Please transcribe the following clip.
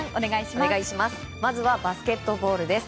まずはバスケットボールです。